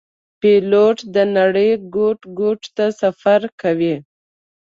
پیلوټ د نړۍ ګوټ ګوټ ته سفر کوي.